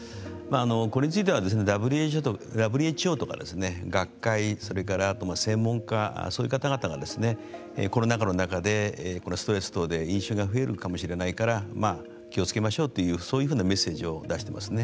これについてはＷＨＯとか学会、それから専門家、そういう方々がコロナ禍の中でこのストレス等で飲酒が増えるかもしれないから気をつけましょうというそういうふうなメッセージを出していますね。